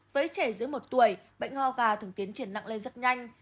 với trẻ giữa một tuổi bệnh hoa gà thường tiến triển nặng lên rất nhanh